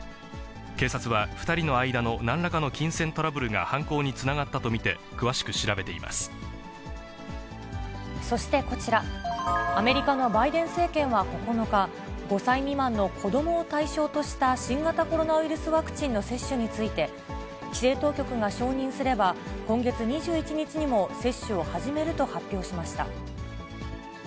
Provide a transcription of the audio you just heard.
警察は、２人の間のなんらかの金銭トラブルが犯行につながったと見て、そしてこちら、アメリカのバイデン政権は９日、５歳未満の子どもを対象とした新型コロナウイルスワクチンの接種について、規制当局が承認すれば、今月２１日にも接種を始めると発表しました。